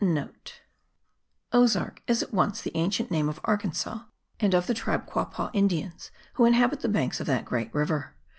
(* Ozark is at once the ancient name of Arkansas and of the tribe of Quawpaw Indians who inhabit the banks of that great river.